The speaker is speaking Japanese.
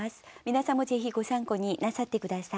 皆さんもぜひご参考になさって下さい。